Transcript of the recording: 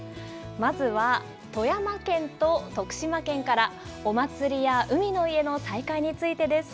まずは富山県と徳島県から、お祭りや海の家の再開についてです。